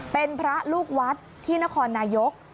เป็นพระลูกวัดที่นครนายก